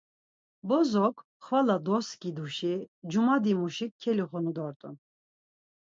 Bozo xvala doskiduşi cumadimuşik kelixunu dort̆un.